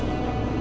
cucuku harus bisa